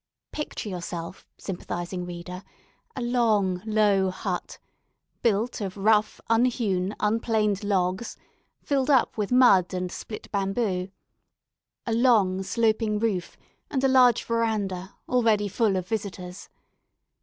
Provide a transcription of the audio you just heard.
Picture to yourself, sympathising reader, a long, low hut, built of rough, unhewn, unplaned logs, filled up with mud and split bamboo; a long, sloping roof and a large verandah, already full of visitors.